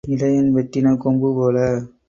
இடையன் வெட்டின கொம்பு போல.